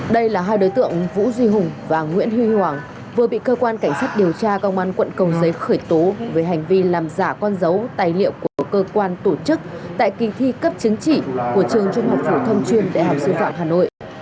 đây là hai đối tượng vũ duy hùng và nguyễn huy hoàng vừa bị cơ quan cảnh sát điều tra công an quận cầu giấy khởi tố về hành vi làm giả con dấu tài liệu của cơ quan tổ chức tại kỳ thi cấp chứng chỉ của trường trung học phổ thông chuyên đại học sư phạm hà nội